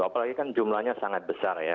apalagi kan jumlahnya sangat besar ya